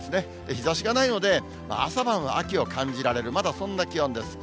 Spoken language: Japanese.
日ざしがないので、朝晩は秋を感じられる、まだそんな気温です。